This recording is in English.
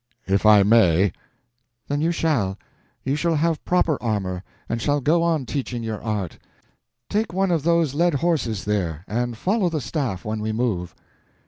"If I may!" "Then you shall. You shall have proper armor, and shall go on teaching your art. Take one of those led horses there, and follow the staff when we move."